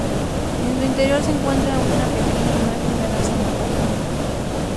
En su interior se encuentra una pequeña imagen de la santa patrona.